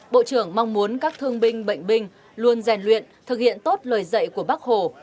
bộ trưởng mong muốn các thương binh bệnh binh luôn rèn luyện thực hiện tốt lời dạy của bác hồ